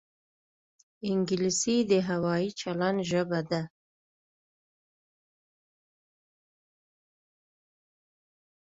انګلیسي د هوايي چلند ژبه ده